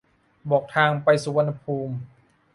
บอกทางไปสุวรรณภูมิ